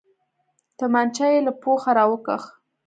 تمانچه يې له پوښه راوکښ.